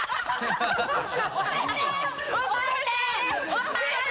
「押さえて！